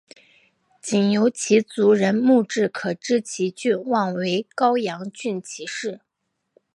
仅由其族人墓志可知其郡望为高阳郡齐氏。